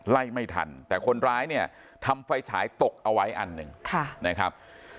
ไล่ไม่ทันแต่คนร้ายเนี่ยทำไฟฉายตกเอาไว้อันหนึ่งนะครับ